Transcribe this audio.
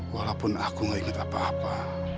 walaupun aku gak ingat apa apa